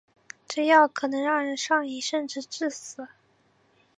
该药可能让人上瘾甚至致死。